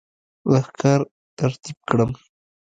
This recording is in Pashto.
لښکر ترتیب کړم.